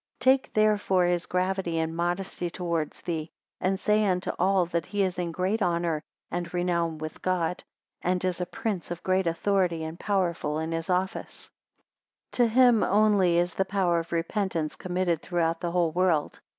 5 Take therefore his gravity and modesty towards thee, and say unto all, that he is in great honour and renown with God, and is a prince of great authority, and powerful in his office. 6 To him only is the power of repentance committed throughout the whole world.